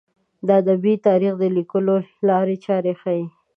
د ادبي تاریخ د لیکلو لارې چارې ښيي.